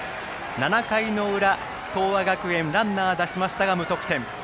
７回の裏、東亜学園ランナー出しましたが無得点。